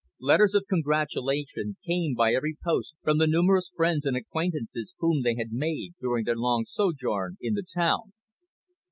Letters of congratulation came by every post from the numerous friends and acquaintances whom they had made during their long sojourn in the town.